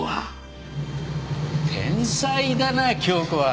天才だな京子は。